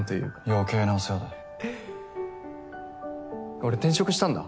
俺転職したんだ。